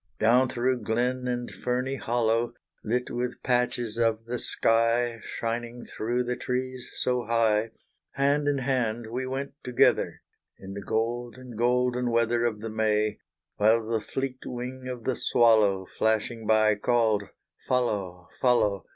Down through glen and ferny hollow, Lit with patches of the sky, Shining through the trees so high, Hand in hand we went together, In the golden, golden weather Of the May; While the fleet wing of the swallow Flashing by, called follow follow!